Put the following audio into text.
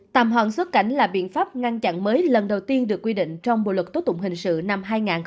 tạm hoãn xuất cảnh là biện pháp ngăn chặn mới lần đầu tiên được quy định trong bộ luật tố tụng hình sự năm hai nghìn một mươi năm